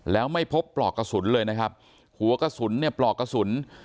แล้วไม่พบปลอกกระสุนเลยนะครับหัวกระสุนเนี่ยปลอกกระสุน